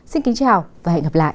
xin kính chào và hẹn gặp lại